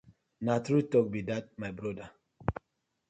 Na true talk be dat my brother.